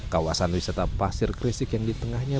kawasan wisata pasir krisik yang di tengahnya